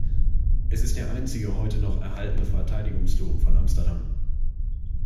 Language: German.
Es ist der einzige heute noch erhaltene Verteidigungsturm von Amsterdam.